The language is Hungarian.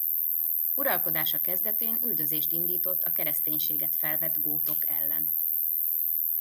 Uralkodása kezdetén üldözést indított a kereszténységet felvett gótok ellen.